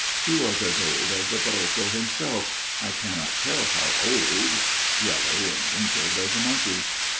She was as old as the parrocho himself I cannot tell how old yellow and wrinkled as a monkey.